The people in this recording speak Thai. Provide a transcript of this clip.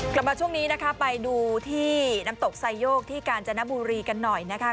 กลับมาช่วงนี้นะคะไปดูที่น้ำตกไซโยกที่กาญจนบุรีกันหน่อยนะคะ